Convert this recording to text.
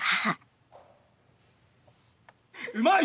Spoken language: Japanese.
うまい！